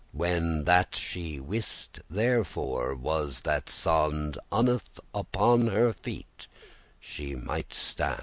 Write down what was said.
When that she wiste wherefore was that sond,* *summons Unneth* upon her feet she mighte stand.